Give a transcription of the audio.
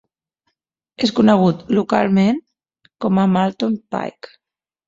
És conegut localment com a Marlton Pike.